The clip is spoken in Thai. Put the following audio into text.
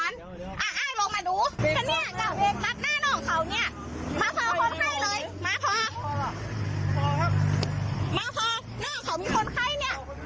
มาพอน้องเขามีคนไข้เนี่ย